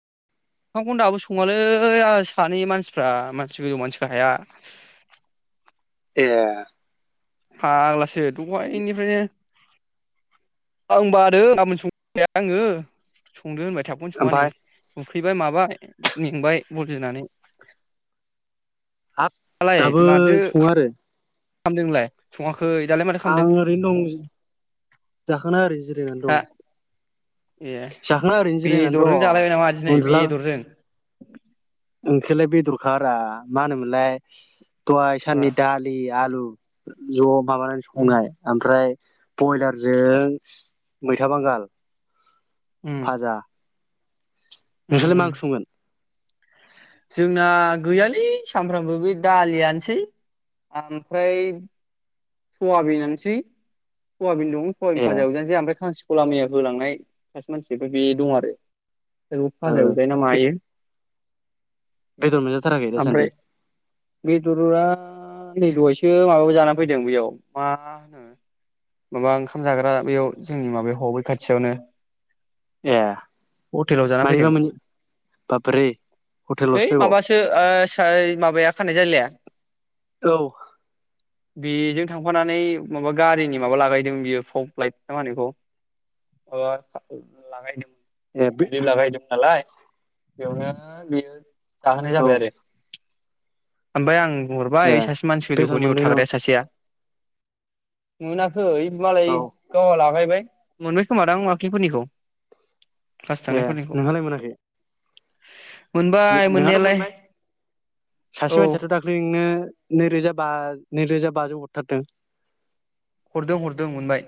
[inaudible] ओंखाम खौनो दाबो सङालै सानै मानसिफ्रा मानसि गोजौ मानसि गाहाया ए फाग्लासो दहायनिफ्रायनो आं बादों गाबोन संगोन होनबाय आंङो संद होनबाय थाबखौनो सङा नै ओमफाय उखैबाय माबाय मेंंबाय बल जोनानै। हाब दालाय दाबो माथो सङा आरो। खालामदों नोंलाय सङा आं ओरैनो दं जाखांना ओरैनो जिरायनानै हा दं ए जाखांना ओरैनो जिरायनानै बेदरजों जालायबाय नामा दं दिनै उन्दुला बेदरजों ओंख्रिलाय बेदरखारा मा होनोमोनलाय। दहाय बा साननि दालि आलु। [unintelligible] माबानानै उम संनाय आमफ्राय। ब्रयलारजों मैथा बांगाल। उम फाजा। उम नोंसोरलाय मा उम ओंख्रि संगोन? जोंना गैयालै सामफ्रोमबो बे दालियानोसै आमफ्राय। सवाबिन आनोसै। सयाबिन दं सयाबिन ए फाजा एवजानोसैय [unintelligible] मैया होलांनाय सासे मानसि बे दं आरो। औ ओ फाजा एवजायोना मायो। बेदर मोनजा थाराखै दा सानन्दि? ओमफ्राय बेदरा नै दहायसो माबायाव जाना फै बेयाव मा होनो माबा ओंखाम जाग्रा बेयाव जोंनि माबायाव ह बै खाथियावनो। ए हटेलाव जानानै फैदों मानिबा मोन बाबरे हैइ हटेलावसो माबासो ओ सै माबाया खानाय जायलाया। औ। बेजों थांफानानै माबा गारिनि माबा लागायदों बियो पप लाइट मा होनो बिखौ ए बे लागायदोंमोन। [unintelligible] बेयावनो बियो जाहोनाय औ जाबाय आरो। आमफ्राय आं। ए हरबाय सासे मानसि बेदर गोजौखौ नै इयाव मोनदों नामा थाग्राया मोनथिया मोना खै मालाय औ गावहा लागाइबाय। मोनबाय खोमा दां दाख्लैफोरनिखौ। क्लास ए थानायफोरनिखौ। नोंहालाय मोनाखै नोंहाथ मोनबाय सासे औ मानसियाथ दाख्लै नोंनो नै रोजा बा नैरोजा बाजौ हरथारदों हरदों हरदों मोनबाय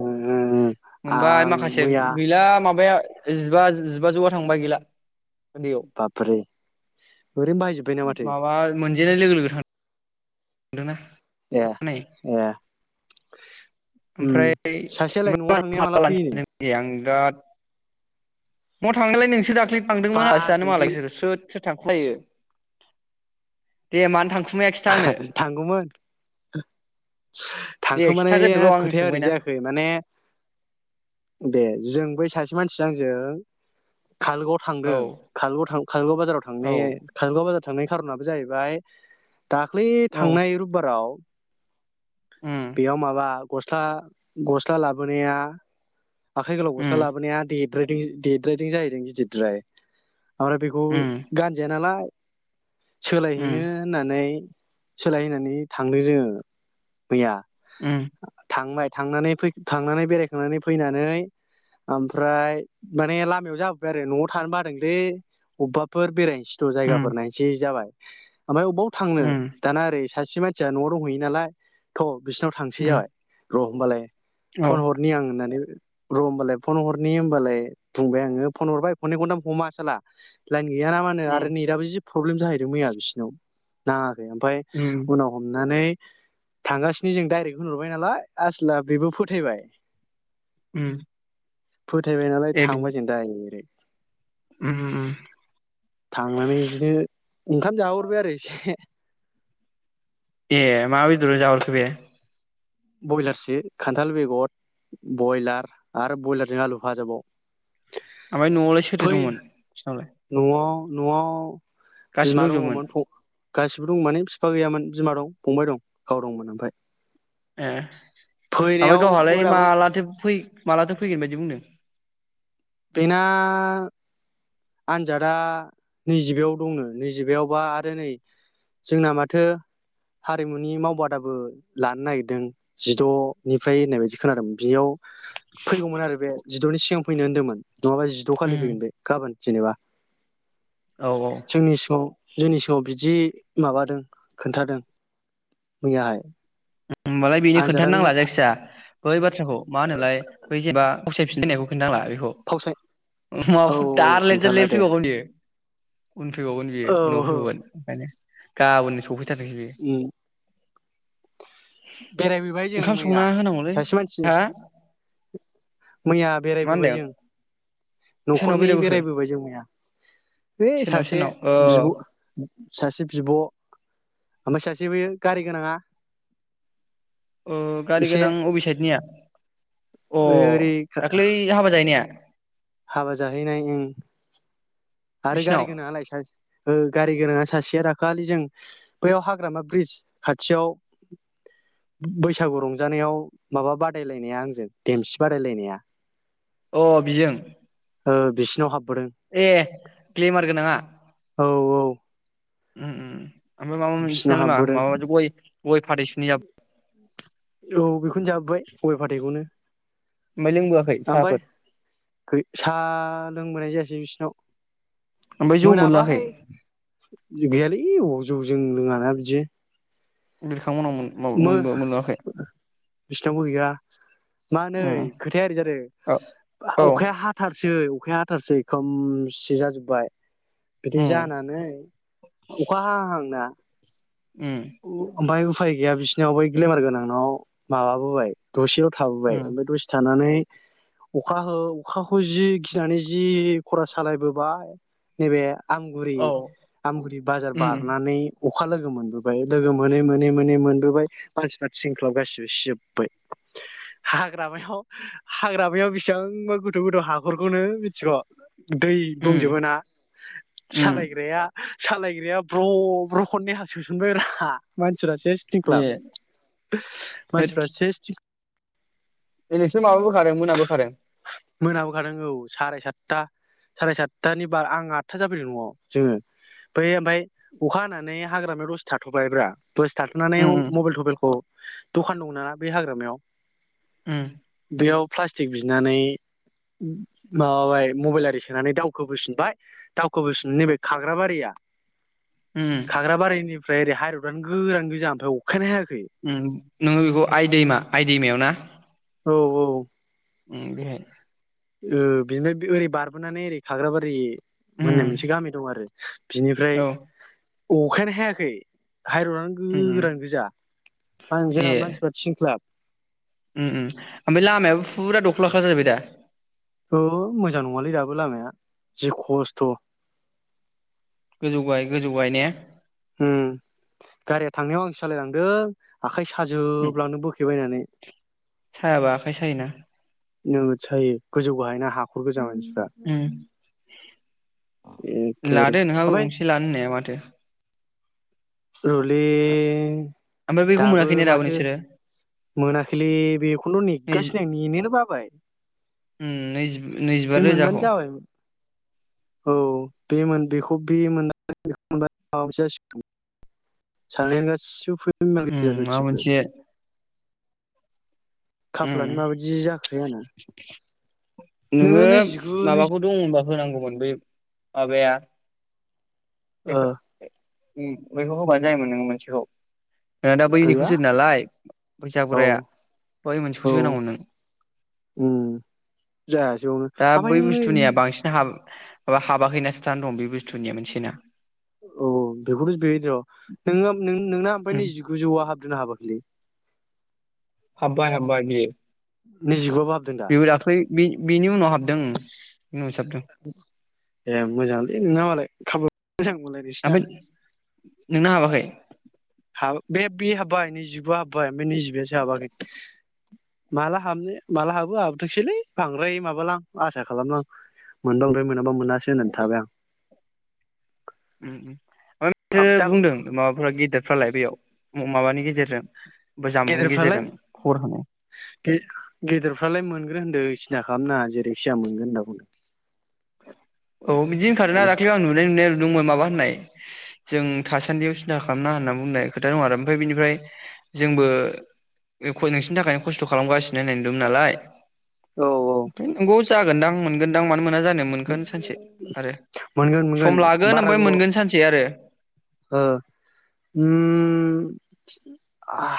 ओ मोनबाय आं माखासे मैया गैला माबाया जिबा जिबाजौआ थांबाय गैला। उन्दैयाव बाब्रे ओरैनो बाहायजोब्बायना माथो देनाय लोगो लोगो थां थांदों ना ए ए उम ओमफ्राय सासेयालाय न'आव थांनाया [inaudible] माला फैयोनो आं बिराद म थांनोलोय नों सो थांदोंमोन आलासि जानो बाजैनि मालाय स्रोथ स्रोथ थांख्लायो दे मानो थां [unintelligible] थांगौमोन दे थांखोमानाया खिथाग्रोदोल' आं खोथाया ओरै सोंबायना जायाखै माने दे जों बै सासे मानसिजों आंजों काजलगावाव थांदों औ काजलगाव थां काजलगाव बाजाराव औ थांनाय काजलगाव बाजार। थांनाय खारनाबो जाहैबाय दा दाख्लै औ थांनाय रबिबाराव उम बेयाव माबा गस्ला गस्ला लाबोनाया। आखाइ गोलाव गस्ला उम लाबोनाया दे राइदिं देद राइदों जाहैदों गिदिदद्राय आरो बेखौ उम गानजाया नालाय उम सोलायहैनो होननानै सोलायहोनानै थांदो जों फैया उम थांबाय थांनानै फै थांनानै बेरायखांनानै फैनानै ओमफ्राय माने लामायाव जाबोबाय आरो नआव थानो बादोंलै अबावबाफोर बेराय खिस्थ उम जायगाफोर नायसै जाबाय ओमफ्राय बबाव थांनो उम दाना ओरै सासे मानसिया नआव दंहैयो नालाय। थ बिसिनाव थांसै उम जाबाय। र होमबालाय। फन औ हरनि आं होननानै र होमबालाय फन हरनि होमबालाय बुंबाय आङो फन हरबाय खननै खथाम हमा साला लायन गैया नामानो आरो उम नेदाबो जि फब्लेम जाहैदों मैया बिसिनाव ना ओमफाय उम उनाव हमनानै थांगासिनो जों डाइरेक्ट होनहरबाय नालाय आसोला बेबो फोथायबाय। उम। फोथायबाय नालाय थांबाय जों दायरेक्ट। ओम ओम। थांनानै इजिनो ओंखाम जाहोहरबाय आरो एसे। ए मा बेदरजो जाहोहरखो बे? बयलार सो, खान्थाल बेगद, बयलार आरो बयलारजों आलु भाजाबाव। ओमाय नआवलाय सोथो दंमोन बिसिनावलाय? न'आव नआव। गासिबो बिमा दंजोबोमोन दङमोन। गासिबो दं माने फिफा गैयामोन बिमा दं फंबाय दं गाव दंमोन ओमफाय। ए। ओमफाय गावहालाय मोनाबो मालाथो फै मालाथो फैगोन बायदि बुंदों। बेना आनजादा नैजिबायाव दंनो। नैजिबायावबा आरो नै जोंना माथो हारिमुनि मावबादाबो लानो नागिरदों। जिदनिफ्राय होननाय बायदि खोनादोंमोन बियाव फैगौमोन आरो बे। जिदनि सिगां फैनो होन्दोंमोन। नङाबा जिद खालि उम फैगोन बे गाबोन। जेनेबा। औ औ जोंनि सिगाङाव जोंनि सिगांआव बिदि माबादों खोन्थादो मैयाहाय। होमबालाय बेनो आनजादा खोन्थानांला जायखिजा। बै बाथ्राखौ मा होनोलाय बै जेनबा फावसायफिननायखौ खिन्थानांला। बेखौ फावसाय औ माबा दा लेट जार खोन्थाला लेट दे फैबावगोन बियो उन फैबावगोन बियो औ उनाव औ फैबावगोन ओंखायनो। गाबोननो सफै [unintelligible] उम बेरायबोबाय जों संना मैया होनांगौलै सासे मानसि हा मैया मा बेरायबोबाय होनदों जों। सोरनाव नखरनै बेरायबोखो बेरायबोबाय जों मैया बैइ सोरनाव सासे सोरनाव अ बिब सासे बिब ओमफ्राय सासे बैयो गारि गोनाङा अ गारि एसे गोनां अबे साइतनिया? अ ओरै दाख्लै हाबा जाहैनाया हाबा जाहैनाय ओं। आरो गारि बिसिनाव गोनाङालाय सास ओ गारि गोनाङा सासेया रा दाखालि जों बैयाव हाग्रामा ब्रिज खाथियाव बैसागु रंजानायाव माबा बादायलायनाया आंजों देमसि बादायलायनाया। अ बिजों ओ बिसिनाव हाब ए ग्लेमार गोनाङा? औ औ उम उम ओमफ्राय माबा मोनसे बिसिनाव नालाय हाबबोदों मा [unintelligible] गय गय फाथै सुनै जाब औ बेख खौनो जाबोबाय गय फाथैखौनो। ओमफ्राय लोंबोआखै ओमफाय साहाफोर साहा लोंबोनाय जायासै दै बिस्नाव ओमफ्राय जौ मोनलोङाखै मोनाबाहाय गैयालै। ओइ अ जौ जों लोङाना बिदि। [unintelligible] थांमोननाव मोन बा मोनबो मोनलोङाखै? बिसनावबो गैया। मा नै उम खोथाया ओरै औ जादों औ अखाया हाथारसै अखाया हाथारसै खोमसि जाजोब्बाय। बिदि उम जानानै अखा हाहां हाहांना उम अ ओमफ्राय उफाय गैया बिसिनाव बै ग्लेमार गोनांनाव माबाबोबाय। दसेल थाबोबाय उम ओमफ्राय दसे थानानै अखा हो अखाखौ जि गिनानै जि खर सालायबोबाय नैबे आमगुरि औ आमगुरि बाजार उम बारनानै अखा लोगो मोनबोबाय लोगो मोनै मोनै मोनै मोनबोबाय मानसिफ्रा थिंख्लाब गासिबो सिजोब्बाय। हाग्रामायाव हाग्रामायाव बेसिबांबा गोथौ गोथौ हाखरखौनो मिथिग दै उम दंजोबो ना उम सालायग्राया सालायग्राया ब्र ब्र खननै हासोसनबाय रा मान सेस ए टिंक्लाब मानसिफ्रा सेस टिं ए नोंसोर माबाबोखादों मोनाबोखादों? मोनाबोखादों औ साराय सातथा साराय सातथानि बार आं आठथा जाफैदों नआव जोङो बै ओमफ्राय अखा हानानै हाग्रामायाव दसे थाथ'बाय ब्रा दसे थाथ'नानै उम मबाइल थबाइलखौ दखान दंना बे हाग्रामायाव? उम। बेयाव प्लास्टिक बि बिनानै माबाबाय मबाइल आरि सोनानै दावखो बोफैनबाय दावखोबोफिना नैबे खाग्राबारिया उम खाग्रा बारिनि फ्राय एरै हाइरडआनो गोरान गोजा ओमफ्राय अखायानो हाया उम नोङो बेखौ आइ दैमा आइ दैमायावना। औ औ। उम बेहाय। ओ बिनिफ्राय ओरै बारबोनानै ओरै खाग्राबारि। मोननाय उम मोनसे गामि दं आरो बिनिफ्राय। औ अखायानो हायाखै। हाइरड उम उम गोरान गोजा ए जोंहा मानसिफ्रा थिनख्लाब। उम उम ओमफ्राय लामायाबो फुरा दख्लाखा जाहैबाय दा। औ मोजां नङालै दाबो लामाया जि खस्थ'। गोजौ गाहाय गोजौ गाहाय ने। उम गारिया थांनायाव आंसो सालायलांदों आखाय सा उम हाजोबलांदो बोखे बायनानै। खाय सायोना। नोगोद सायो गोजौ गाहायना हाखर गोजा उम। एखेबारे लादो नोंहाबो ओमफ्राय गंसे लानो होननाया माथो। रलै ओमफ्राय बैखौ दाबो मोनाखै ने माथो नोंसोरो मोनाखैलै बेखौनोथ' नैजि नेगासिनो आं नेनोनो बाबाय उम नैजि नैजिबा बे मोनबानो रोजाखौ जाबायमोन। औ [unintelligible] सानायानो गासिबो फैमाल उम माबा गोजा मोनसे सयथिबो। उम खाफालानो मा बायदि जाखोथाय आंना। नोङो नैजिगु नै माबाखौ दङ होनबा होनांगौमोन बै माबाया ओ एखो ए। उम बेखौ होबानो जायोमोन नों मोनसेखौ। नों दा गैया बैनिखौसो होदों नालाय फैसा औ गुराया। बै मोनसेखौसो औ होनांगौमोन नों उम जायासैयावनो दा ओमफ्राय बै नोंनो बुस्थुनिया बांसिन हाबो माबा हाबाखै नो बे मोनसेनि आबुस्थुनिया मोनसे ना अ बेखौथ' बे र' नोङो नों नोंना ओमफाय उम नैजिगुजौआ हाब दोंना हाबाखैलै? हाब्बाय हाब्बाय बेयो नैजिगु बेबो दाख्लै बेनि उनाव हाबदों उनावसो हाबदों ए मोजांलै नोंना मालाय खाफाल मोजां बालाय बिसिना ओमफ्राय नोंना हाबाखै? हाब बे बे हाबबाय नैजिबा हाब्बाय ओमफ्राय नैजिबयासो हाबाखै माला हाबनो माला हाबो हाबथोंसैलै बांद्राय माबालां आसा खालामला मोनबा मोनबाय मोनाब्ला मोनाबा मोनासै होनना थाबाय आं। उम उम [unintelligible] आं दा बुंदों माबाफोरा गिदेर फालाय बेयाव माबानि गेजेरजों जानबुंनि गेदेरफ्रालाय गेजेरजों खबर हरनाय गे-गेदेरफ्रालाय मोनग्रो होनदों बिसिना। खालामनाङा जेरैखिसा मोनगोन होनना बुंदों [inaudible] औ बिदि होनखादोंना दाख्लै आं नुनाय नुनाय नों माबा होननाय जों थासान्दियाव सिन्था खालामना होनना बुंनाय खोथा दं आरो ओमफ्राय बिनिफ्राय जोंबो नोंसिनि थाखायनो खस्थ खालामगासिनो नाय दं नालाय। औ औ [unintelligible] नंगौ जागोनदां मोनगोन। दां मान मोना जानो मोनगोन सानसे आरो मोनगोन मोनगोन सम लागोन बारा ओमफ्राय गोबाव मोनगोन सानसे आरो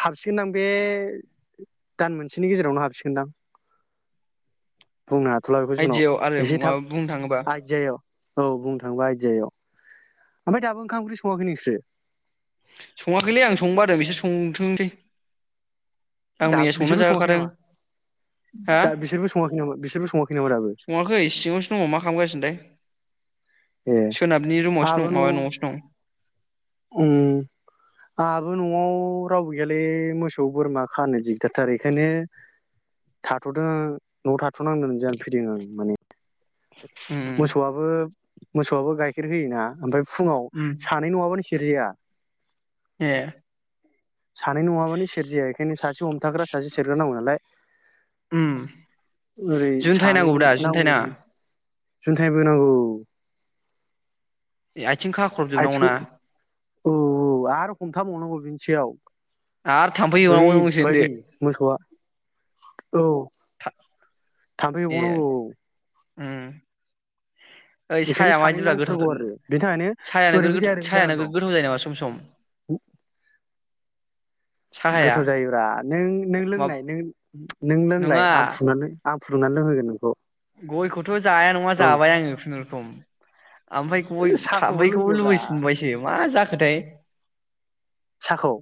हाबसिगोनदां बे दान मोनसेनि गेजेरावनो हाबसिगोनदां। बुंनो हाथ'ला बेखौ जिखुनु आइदियायाव आरो एसे थाब माबा बुंनो थाङोबा आइदियायाव औ बुंनो थांबा आयदियाव ओमफ्राय दाबो ओंखाम ओंख्रि सङाखै नोंसोरो? सङाखैलै आं संनो बादों आरो बिसोर संथोंनोसै। आं दा मैया संना बिसोरबो सङाखै जाहोखादों नामा हा दा बिसोरबो सङाखै नामा बिसोरबो सङाखै नामा दाबो सङाखै सिङावसो दङ मा खालामगासिनो थाय। ए दं आंहाबो ओम माबा न'आवसो दं ओम। आंहाबो नआव रावबो गैयालै मोसौ बोरमा खानो दिगदारथार बेखायनो थाथदों नआव थाथनांदोंमोन जानो फैदों आं माने। उम। मोसौआबो मोसौआबो गाइखेर होयोना आमफ्राय फुङाव उम सानै नङाबानो सेरजाया। ए सानै नङाबानो सेरजाया एखायनो सासे हमथाग्रा सासे सेरग्रा नांगौ नालाय उम ओरै जुनथाइ सानै नांगौब्रा जुनथाइ नांगौ। नाङा जुनथाय बोनांगौ [inaudible] आथिं खाख्रबजोबनांगौ ना औ औ आरो हमथाबावनांगौ बेनि सायाव आरो थाम्फै होननांगौनंसेनदो ओरैबायदि मोसौआ औ था थामफै होबावनांगौ। उम ओइ बेखायनो साया सानै माबायदिब्ला गोथाव नांथारगौ थाव आरो बेनि थाखायनो सायानो गो ओरैबो जाया ओरैबो जानानै सायानो दं गोथाव जायो नामा सम सम साहाया गोथाव जायोब्रा नों-नों मा लोंनाय नों-नों नङा लोंनाय आं फुनानै आं फुदुंनानै लोंहोगोन नोंखौ गय खौ- थ जाया नङा बुं जाबाय आङो खुनुरुखुम। ओमफ्राय गय साहाखौबो थाबैखौबो लोंदोब्रा लुबैफिनबायसो मा जाख- खोथाय साखौ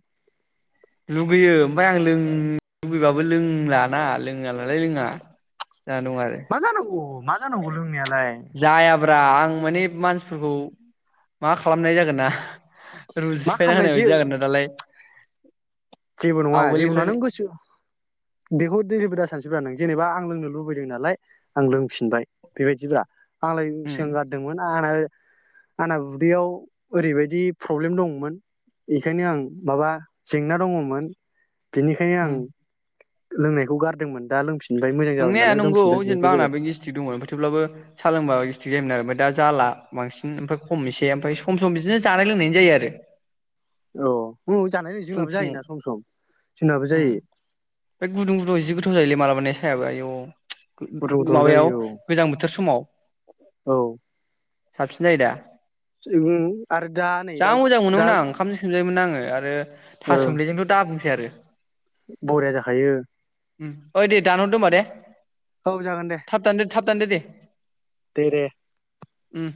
लुगैयो ओमफाय आं लों लुबैबाबो लोंलाना लोङा नालाय लोङा। जानानै दं आरो मा जानांगौ मा जानांगौ लोंनायालाय ब्रा आं माने मानसिफोरखौ मा खालामनाय जागोन ना। रुलस मा सिफायना खालामनाय होनाय जे बायदि जागोन ना दालाय [inaudible] जेबो नङा जेबो नङा आवगोलनिफ्रायनो नों गोसो बेखौ दोजोबो दा सानसेबा नों जेनेबा आं लोंनो लुबैदों नालाय आं लोंफिनबाय बेबायदिब्रा। आंलाय उम सिगां गारदोंमोन आलाय आंना उदैयाव ओरैबायदि प्रब्लेम दंमोन बेखायनो आं माबा जेंना दङ- मोन बेनिखायनो आं उम लोंनायखौ गारदोंमोन दा लोंफिन नंनाया नंगौ जेनेबा आंना बे गेसट्रिक दंमोन थेवब्लाबो सालोंबा गेस- थिग जायोमोन आरो ओमफ्राय दा जाला बांसिन ओमफ्राय खमनोसै ओमफ्राय सम सम बिदिनो जानाय लोंनायनि जायो आरो औ औ जानाय फुं जोंनाबो फुं जायोना सम सम जोंनाबो जायो थाव जायोलै मालाबा माने सायाबो आयौ गुदुं गुदुं माबायाव जायो गोजां बोथोर समाव साबसि जायो दा। उम्म आरो दा नै जा दा मोजां दा मोनोमोन आं ओंखामजों सोमजायोमोन आङो आरो ओ थास' सोमलिजोंथ' दाबुंसै आरो बरिया जाखायो। उम ओइ दे दानहरदों ओमबा दे। औ जागोन दे थाब दानदो थाब दोनदो दे। दे दे उम।